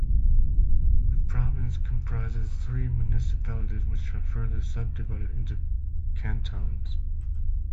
The province comprises three municipalities which are further subdivided into cantons.